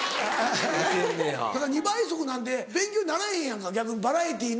２倍速なんて勉強ならへんやんか逆にバラエティーの。